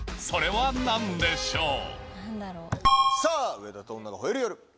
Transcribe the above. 『上田と女が吠える夜』。